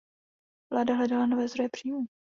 Vláda hledala nové zdroje příjmů.